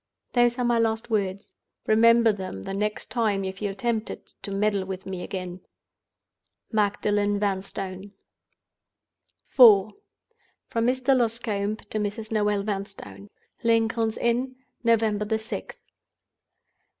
"Those are my last words. Remember them the next time you feel tempted to meddle with me again. "MAGDALEN VANSTONE." IV. From Mr. Loscombe to Mrs. Noel Vanstone. "Lincoln's Inn, November 6th.